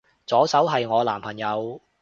左手係我男朋友